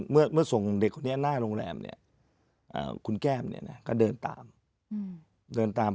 เมื่อส่งเด็กต์หน้าโรงแรมคุณแก้มก็เดินตาม